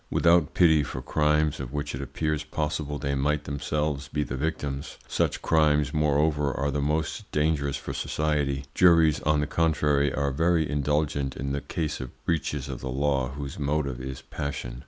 Without pity for crimes of which it appears possible they might themselves be the victims such crimes, moreover, are the most dangerous for society juries, on the contrary, are very indulgent in the case of breaches of the law whose motive is passion.